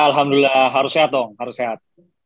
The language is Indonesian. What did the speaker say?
alhamdulillah harus sehat dong harus sehat